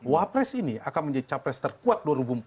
wapres ini akan menjadi cawapres terkuat dua ribu dua puluh empat